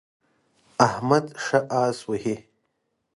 احمد ښه اس وهي.